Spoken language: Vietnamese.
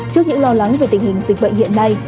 trước những lo lắng về tình hình dịch bệnh hiện nay